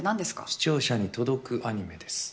視聴者に届くアニメです。